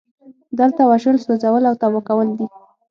دلته وژل سوځول او تباه کول دي